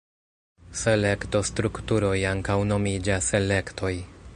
Selekto-strukturoj ankaŭ nomiĝas elektoj.